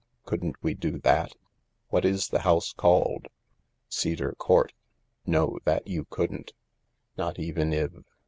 Couldn't we do that ? What is the house called ?"" Cedar Court. No, that you couldn't. ..."" Not even if